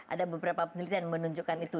ada beberapa penelitian menunjukkan itu